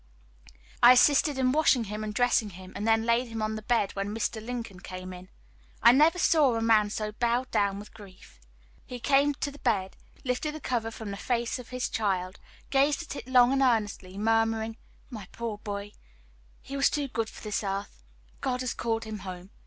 I assisted in washing him and dressing him, and then laid him on the bed, when Mr. Lincoln came in. I never saw a man so bowed down with grief. He came to the bed, lifted the cover from the face of his child, gazed at it long and earnestly, murmuring, "My poor boy, he was too good for this earth. God has called him home.